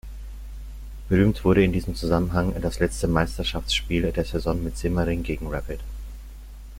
Berühmt wurde in diesem Zusammenhang das letzte Meisterschaftsspiel der Saison mit Simmering gegen Rapid.